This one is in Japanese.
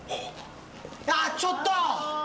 あっちょっと！